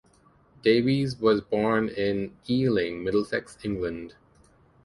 Davies was born in Ealing, Middlesex, England.